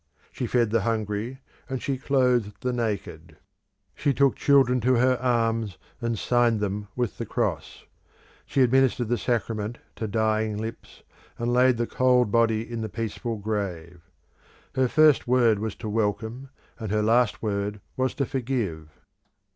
She fed the hungry, and she clothed the naked; she took children to her arms and signed them with the Cross; she administered the sacraments to dying lips, and laid the cold body in the peaceful grave. Her first word was to welcome, and her last word to forgive.